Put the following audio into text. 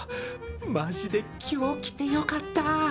マジで今日来てよかった！